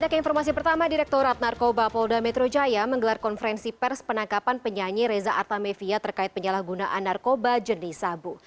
kita ke informasi pertama direkturat narkoba polda metro jaya menggelar konferensi pers penangkapan penyanyi reza artamevia terkait penyalahgunaan narkoba jenis sabu